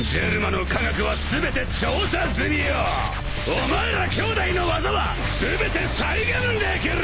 お前らきょうだいの技は全て再現できる！